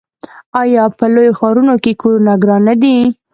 آیا په لویو ښارونو کې کورونه ګران نه دي؟